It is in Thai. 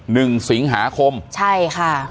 นึงศิลป์หาคมใช่ค่ะ